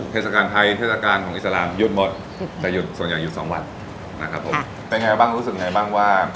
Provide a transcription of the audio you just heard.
เทศกาลไทยเทศกาลของอิสลามหยุดหมดแต่หยุดส่วนใหญ่หยุดสองวันนะครับผมเป็นไงบ้างรู้สึกยังไงบ้างว่า